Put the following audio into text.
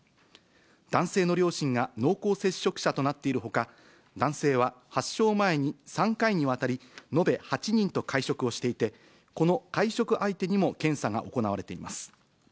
男性の両親が濃厚接触者となっているほか、男性は発症前に３回にわたり、延べ８人と会食をしていて、この会食相手にも検査が行われています。